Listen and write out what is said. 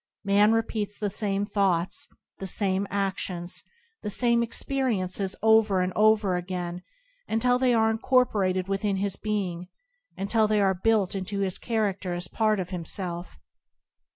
Man repeats the same thoughts, the same a&ions, the same expe riences over and over again until they are incorporated with his being, until they are built into his character as part of himself.